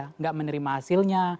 tidak menerima hasilnya